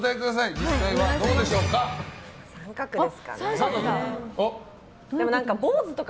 実際はどうでしょうか。